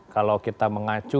kalau kita mengacu